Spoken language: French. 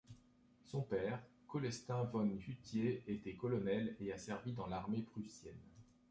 Son père, Cölestin von Hutier était colonel et a servi dans l'armée prussienne.